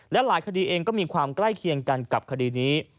และหลายคดีเองก็มีความใกล้เคียงกันกับคดีนี้